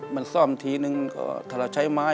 มันซ่อมทีนึงก็ถ้าเราใช้ไม้